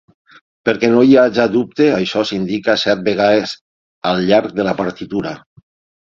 Perquè no hi hagi dubte això s'indica set vegades al llarg de la partitura.